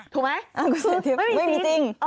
ถูกไหมไม่มีจริง